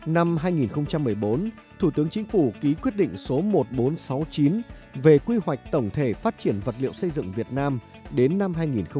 năm hai nghìn một mươi bốn thủ tướng chính phủ ký quyết định số một nghìn bốn trăm sáu mươi chín về quy hoạch tổng thể phát triển vật liệu xây dựng việt nam đến năm hai nghìn ba mươi